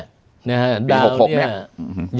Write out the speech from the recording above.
ปี๖๖เนี่ย